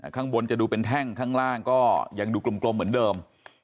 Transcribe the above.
ข้างบนจะดูเป็นแท่งข้างล่างก็ยังดูกลมเหมือนเดิม